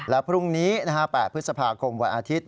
แล้วพรุ่งนี้นะฮะ๘พฤษภาคมวันอาทิตย์